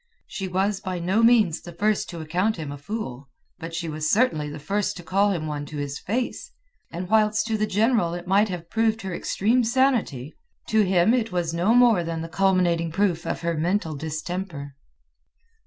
She was by no means the first to account him a fool, but she was certainly the first to call him one to his face; and whilst to the general it might have proved her extreme sanity, to him it was no more than the culminating proof of her mental distemper.